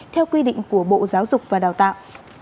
theo quy định của bộ giáo dục và đào tạo